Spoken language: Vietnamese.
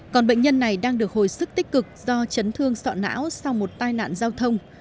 còn bệnh nhân này đang được hồi sức tích cực do chấn thương sọ não sau một tai nạn giao thông